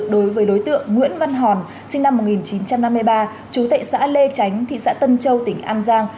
đối với đối tượng nguyễn văn hòn sinh năm một nghìn chín trăm năm mươi ba trú tại xã lê chánh thị xã tân châu tỉnh an giang